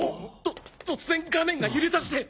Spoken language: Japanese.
突然画面が揺れだして！